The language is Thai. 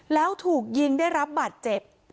แล้วถูกยิงได้รับบาดเจ็บ